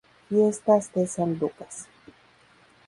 Fiestas de San Lucas.